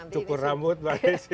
cukur rambut mbak desi